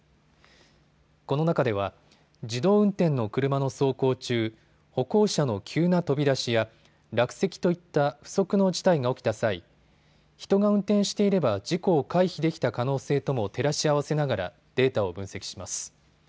この中では自動運転の車の走行中、歩行者の急な飛び出しや落石といった不測の事態が起きた際、人が運転していれば事故を回避できた可能性とも照らし合わせながらデータを分析します。